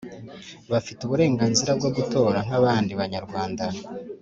Bafite uburenganzira bwo gutora nkabandi banyarwanda